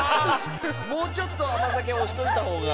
もうちょっと甘酒推しておいた方が。